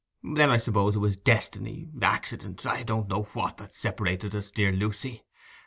'Then I suppose it was destiny—accident—I don't know what, that separated us, dear Lucy.